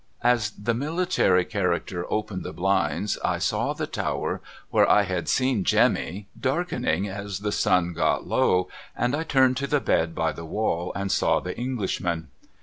As the military character opened the blinds I saw the tower where I had seen Jemmy, darkening as ^71 .:^ 37' THE DYING ENGLISHMAN 371 the sun got low, and I turned to the bed by the wall and saw the Englishman.